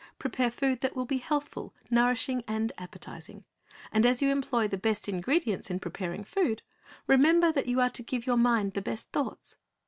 Prepare food that will be healthful, nourishing, and appetizing. And as you employ the best ingredients in preparing food, remember that you are to give your mind the best thoughts.